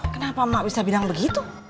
kenapa mak bisa bilang begitu